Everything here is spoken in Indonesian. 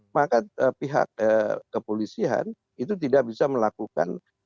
maka pihak kepolisian itu tidak bisa melakukan